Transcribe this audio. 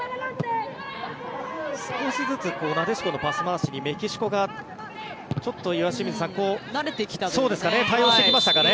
少しずつなでしこのパス回しにメキシコが、岩清水さん対応してきましたかね。